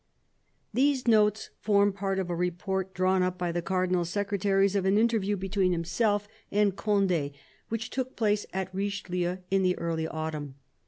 These notes form part of a report drawn up by the Cardinal's secretaries of an interview between himself and 1 84 CARDINAL DE RICHELIEU Conde, which took place at Richelieu in the early autumn.